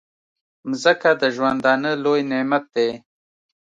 مځکه د ژوندانه لوی نعمت دی.